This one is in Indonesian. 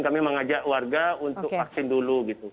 kami mengajak warga untuk vaksin dulu gitu